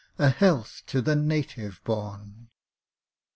A health to the Native born!